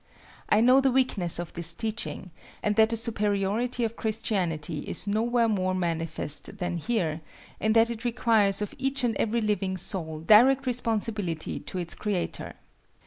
I know the weakness of this teaching and that the superiority of Christianity is nowhere more manifest than here, in that it requires of each and every living soul direct responsibility to its Creator.